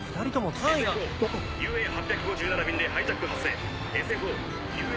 ＳＦＯＵＡ８５７便でハイジャック発生。